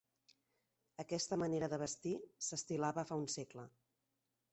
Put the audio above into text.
Aquesta manera de vestir s'estilava fa un segle.